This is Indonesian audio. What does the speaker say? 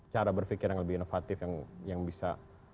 cara berpikir yang lebih inovatif yang bisa